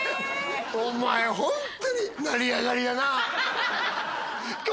お前ホントに成り上がりやな！